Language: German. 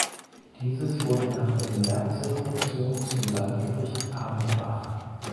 Dieses wurde nach der Märzrevolution zum Landgericht Amorbach.